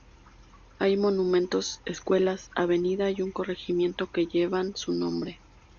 Hay monumentos, escuelas, avenida y un corregimiento que llevan su nombre.